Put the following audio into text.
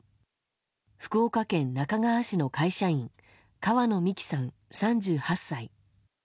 福岡県那珂川市の会社員川野美樹さん、３８歳。